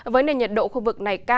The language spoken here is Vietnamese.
với nền nhiệt độ khu vực này cao